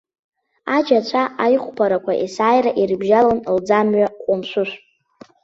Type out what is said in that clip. Аџь ацәа аиҟәԥарақәа есааира ирыбжьалон лӡамҩа ҟәымшәышә.